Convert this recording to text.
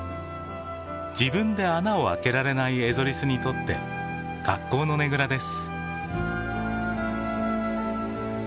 自分で穴を開けられないエゾリスにとって格好のねぐらです。